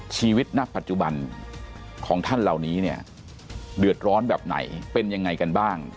ชีวิตณปัจจุบันของท่านเหล่านี้เนี่ยเดือดร้อนแบบไหนเป็นยังไงกันบ้าง